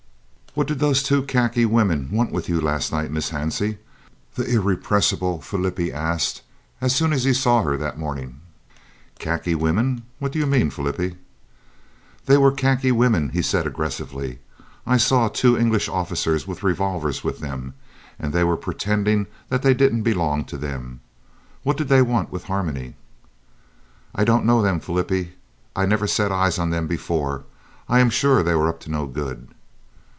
"What did those two khaki women want with you last night, Miss Hansie?" the irrepressible Flippie asked as soon as he saw her that morning. "Khaki women! What do you mean, Flippie?" "They were khaki women," he said aggressively. "I saw two English officers with revolvers with them, and they were pretending they didn't belong to them. What did they want with Harmony?" "I don't know them, Flippie. I never set eyes on them before. I am sure they were up to no good."